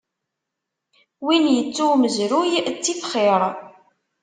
Win ittu umezruy, ttif xiṛ.